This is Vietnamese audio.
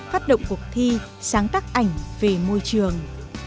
phát động cuộc thi sáng tác ảnh về môi trường